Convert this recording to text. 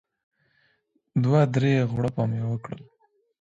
دوه درې غوړپه مې وکړل.